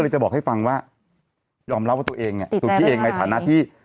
ก็เลยจะบอกให้ฟังว่ายอมเล่าว่าตัวเองน่ะตัวกี้เองในฐานะที่